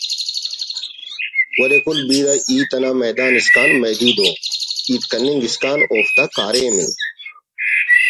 ولے کل بیرہ ہیت انا میدان اسکان محدود ءُ ہیت کننگ اسکان اوفتا کاریم ءِ